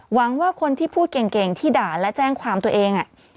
หวังว่าคนที่พูดเก่งที่ด่าและแจ้งความตัวเอง